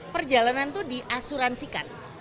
perjalanan itu diasuransikan